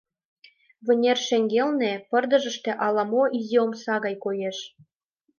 Вынер шеҥгелне пырдыжыште ала-мо изи омса гай коеш.